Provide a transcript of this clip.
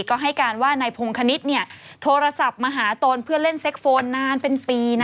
ก็ให้การว่านายพงคณิตโทรศัพท์มาหาตนเพื่อเล่นเซ็กโฟนนานเป็นปี